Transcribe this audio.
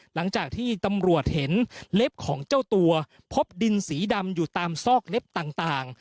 หลังจากที่ตำรวจเห็นเล็บของเจ้าตัวพบดินสีดำอยู่ตามซอกเล็บต่าง